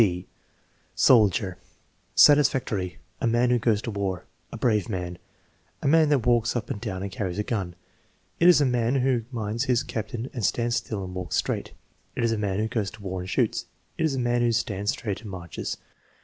(eZ) Soldier Satisfactory. "A man who goes to war." "A brave man." "A man that walks up and down and carries a gun." "It is a man who minds his captain and stands still and walks straight," "It is a man who goes to war and shoots." "It is a man who stands straight and marches."